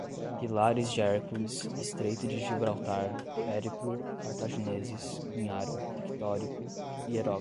Pilares de Hércules, estreito de Gibraltar, périplo, cartagineses, cunharam, pictórico, hieróglifos